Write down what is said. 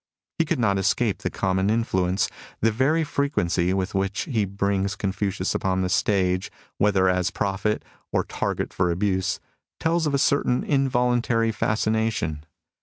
He could not escape the common influence ; the very frequency with which he brings Confucius upon the stage, whether as prophet or target for abuse, tells of a certain involuntary fascination.